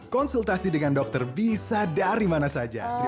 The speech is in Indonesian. konsultasi dengan dokter bisa dari mana saja